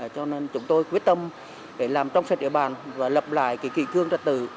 cho nên chúng tôi quyết tâm để làm trong sạch địa bàn và lập lại cái kỳ cương ra tử